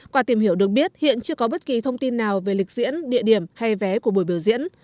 qua tìm hiểu được biết hiện chưa có bất kỳ thông tin nào về lịch diễn địa điểm hay vé của buổi biểu diễn